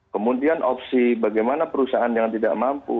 kemudian opsi bagaimana perusahaan yang tidak mampu